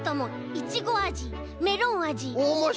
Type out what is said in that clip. イチゴあじメロンあじ。